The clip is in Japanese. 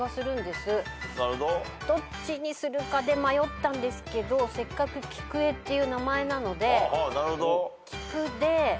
どっちにするかで迷ったんですけどせっかく喜久恵っていう名前なので。